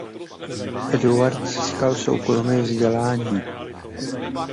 Eduard získal soukromé vzdělání.